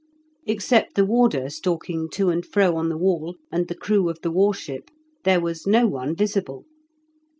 Except the warder stalking to and fro on the wall, and the crew of the war ship, there was no one visible.